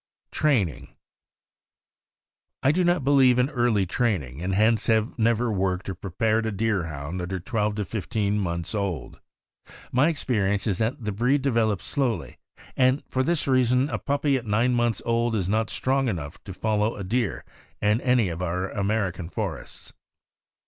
TRAINING. I do not believe in early training, and hence have never worked or prepared a Deerhound under twelve to fifteen months old. My experience is that the breed develops slowly, and for this reason a puppy at nine months old is not strong enough to follow a deer in any of our American forests.